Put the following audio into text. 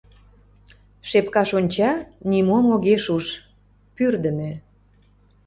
Шепкаш онча, нимом огеш уж — пӱрдымӧ...